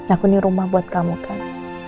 aku nih rumah buat kamu kan